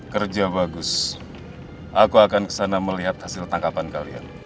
kerja bagus aku akan kesana melihat hasil tangkapan kalian